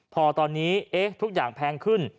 พอตอนนี้ทุกอย่างแพงขึ้น